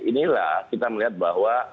inilah kita melihat bahwa